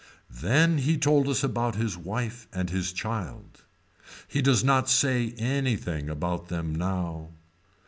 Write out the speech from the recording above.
Then he told us about his wife and his child. He does not say anything about them now.